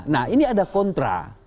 nah ini ada kontra